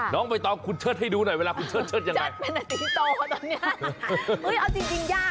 น้องไปตอบเชิดให้ดูหน่อยเวลาเชิดยังไง